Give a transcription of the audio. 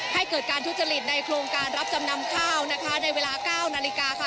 ให้เกิดการทุจริตในโครงการรับจำนำข้าวนะคะในเวลา๙นาฬิกาค่ะ